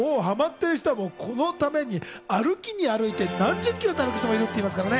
はまっている人はこのために歩きに歩いて何１０ｋｍも歩く人もいるといいますからね。